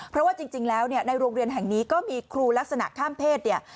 เพราะว่าจริงแล้วเนี่ยในโรงเรียนแห่งนี้ก็มีครูลักษณะข้ามเพศเนี่ย